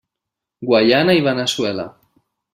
Guaiana i Veneçuela.